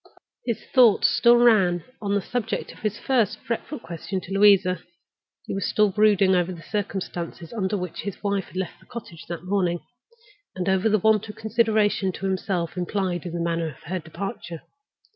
His thoughts still ran on the subject of his first fretful question to Louisa—he was still brooding over the circumstances under which his wife had left the cottage that morning, and over the want of consideration toward himself implied in the manner of her departure.